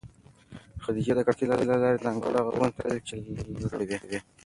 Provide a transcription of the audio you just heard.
خدیجې د کړکۍ له لارې د انګړ هغو ونو ته کتل چې لغړې وې.